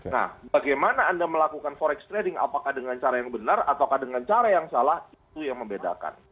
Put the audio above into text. nah bagaimana anda melakukan forex trading apakah dengan cara yang benar ataukah dengan cara yang salah itu yang membedakan